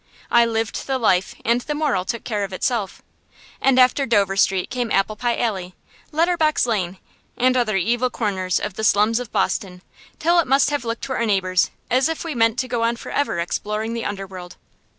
I lived the life, and the moral took care of itself. And after Dover Street came Applepie Alley, Letterbox Lane, and other evil corners of the slums of Boston, till it must have looked to our neighbors as if we meant to go on forever exploring the underworld.